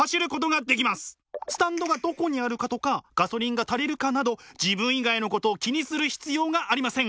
スタンドがどこにあるかとかガソリンが足りるかなど自分以外のことを気にする必要がありません。